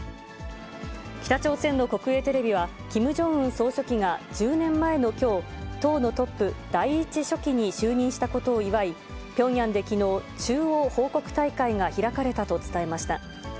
北朝鮮の国営テレビは、キム・ジョンウン総書記が１０年前のきょう、党のトップ、第１書記に就任したことを祝い、ピョンヤンできのう、中央報告大会が開かれたと伝えました。